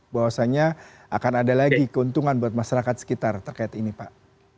bahwasannya akan ada lagi keuntungan buat masyarakat sekitar terkait ini pak